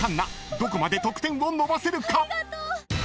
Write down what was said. どこまで得点を伸ばせるか⁉］